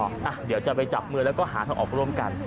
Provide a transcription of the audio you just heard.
เดี๋ยวจะไปจับมือแล้วก็หาทางออกร่วมกัน